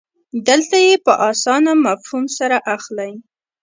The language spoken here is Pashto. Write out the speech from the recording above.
دلته یې په اسانه مفهوم سره اخلئ.